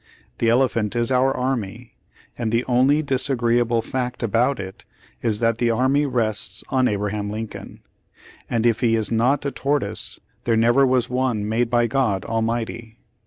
The elephant is our army, and the only disag:reeable fact about it is that that army rests on Abraham Lincoln; and if he is not a tortoise, there never was one made by God Almighty.